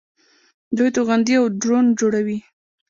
دوی توغندي او ډرون جوړوي.